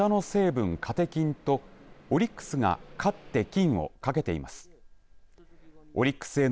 お茶の成分カテキンとオリックスが勝って金をかけています。